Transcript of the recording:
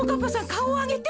かおをあげて。